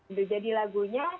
udah jadi lagunya